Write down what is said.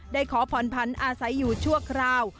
ขอผ่อนผันอาศัยอยู่ชั่วคราว